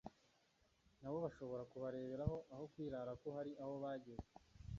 na bo bashobora kubareberaho aho kwirara ko hari aho bageze